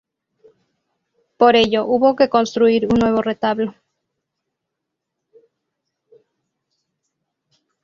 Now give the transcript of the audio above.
Por ello, hubo que construir un nuevo retablo.